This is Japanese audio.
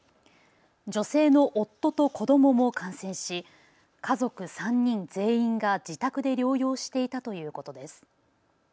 女性の夫と子どもも感染し家族３人全員が自宅で療養していたということです。